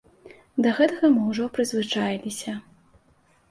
Да гэтага мы ўжо прызвычаіліся.